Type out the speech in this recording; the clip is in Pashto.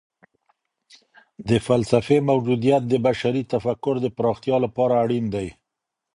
د فلسفې موجودیت د بشري تفکر د پراختیا لپاره اړین دی.